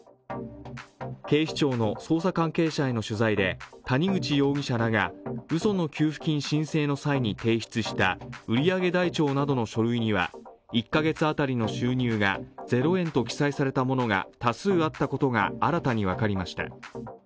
警視庁の捜査関係者への取材で谷口容疑者らがうその給付金申請の際に提出した売り上げ台帳などの書類には１カ月当たりの収入がゼロ円と記載されたものが多数あったことが新たに分かりました。